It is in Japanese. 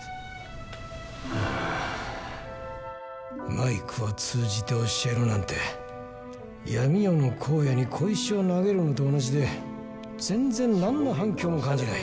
マイクを通じて教えるなんて闇夜の広野に小石を投げるのと同じで全然何の反響も感じない。